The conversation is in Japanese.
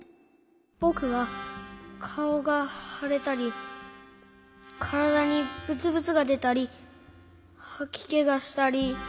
ぼくはかおがはれたりからだにブツブツがでたりはきけがしたり。